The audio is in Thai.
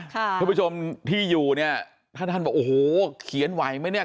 ท่านผู้ชมที่อยู่เนี่ยถ้าท่านบอกโอ้โหเขียนไหวไหมเนี่ย